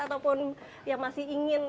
ataupun yang masih ingin